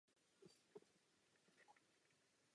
Později byl velekněz volen.